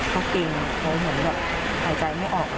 เขาเก่งเขาเหมือนแบบหายใจไม่ออก